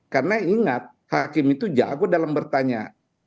karena ingat hakim itu jago dalam bertanya